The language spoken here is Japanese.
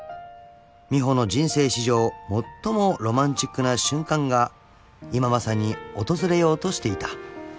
［美帆の人生史上最もロマンチックな瞬間が今まさに訪れようとしていた］